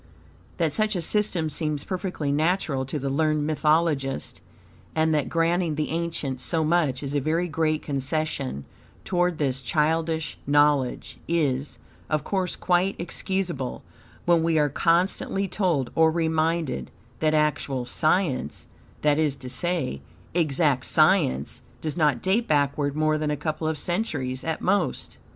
That such a system seems perfectly natural to the learned mythologist, and that granting the ancients so much is a very great concession toward this CHILDISH KNOWLEDGE is, of course, quite excusable when we are constantly told, or reminded, that actual science that is to say, "EXACT SCIENCE," does not date backward more than a couple of centuries at most.